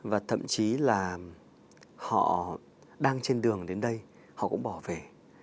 và thậm chí là họ đang trên đường đến đây họ cũng bỏ về